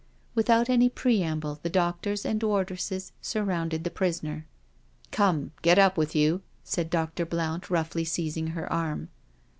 Without any preamble, the doctors and wardresses surrounded the prisoner. '* Come, get up with you/* said Dr. Blount, roughly seizing her arm.